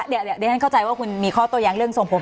เดี๋ยวดิฮันเข้าใจว่าคุณมีข้อตัวอย่างเรื่องส่งผม